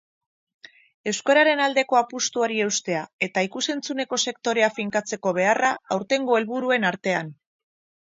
Euskararen aldeko apustuari eustea eta ikus-entzunezko sektorea finkatzeko beharra, aurtengo helburuen artean.